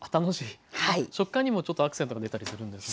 食感にもちょっとアクセントが出たりするんですね。